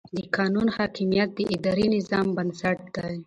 د قانون حاکمیت د اداري نظام بنسټ دی.